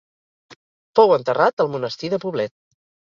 Fou enterrat al Monestir de Poblet.